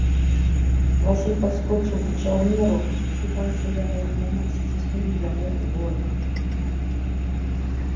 Васіль падскочыў к жаўнеру, і пальцы яго ў момант сціснулі яму горла.